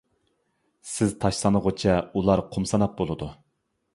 سىز تاش سانىغۇچە ئۇلار قۇم ساناپ بولىدۇ.